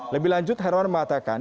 lebih lanjut herman mengatakan